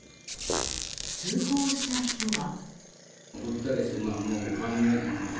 通報した人は。